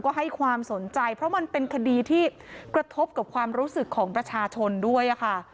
ก็ให้ความสนใจเพราะมันเป็นคดีที่กระทบกับความรู้สึกของประชาชนด้วยค่ะ